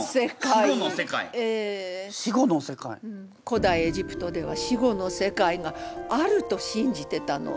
古代エジプトでは死後の世界があると信じてたの。